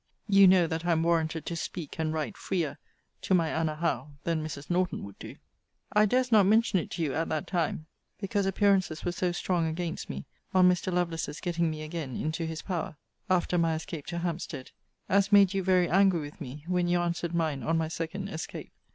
You know that I am warranted to speak and write freer to my Anna Howe than Mrs. Norton would do. * See Vol. VI. Letter LXIII. I durst not mention it to you at that time, because appearances were so strong against me, on Mr. Lovelace's getting me again into his power, (after my escape to Hampstead,) as made you very angry with me when you answered mine on my second escape.